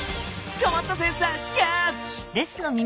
こまったセンサーキャッチ！